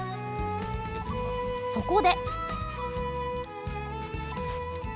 そこで。